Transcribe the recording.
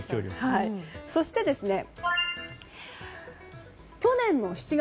そして、去年の７月。